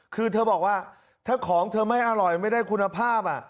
คือเธอบอกว่าถ้าของเธอไม่อร่อยไม่ได้คุณภาพ